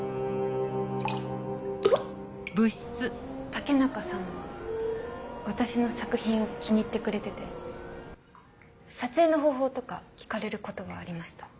武中さんは私の作品を気に入ってくれてて撮影の方法とか聞かれることはありました。